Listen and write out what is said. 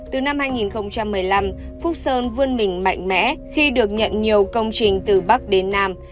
từ năm hai nghìn một mươi năm phúc sơn vươn mình mạnh mẽ khi được nhận nhiều công trình từ bắc đến nam